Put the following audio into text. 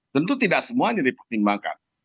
tentu tidak semuanya dipertimbangkan